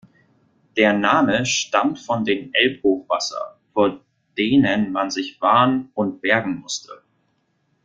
Der Name stammt von den Elbhochwasser, vor denen man sich „wahren“ und „bergen“ musste.